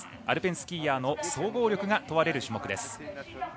アルペンスキーヤーの総合力が問われる種目です。